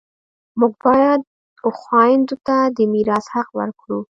موږ باید و خویندو ته د میراث حق ورکړو